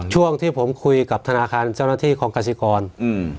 ช่วงที่ผมคุยกับธนาคารเจ้าหน้าที่ของกสิกรอืม